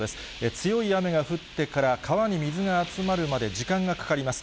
強い雨が降ってから川に水が集まるまで時間がかかります。